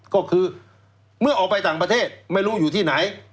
ก็คือเมื่อออกไปต่างประเทศไม่รู้อยู่ที่ไหน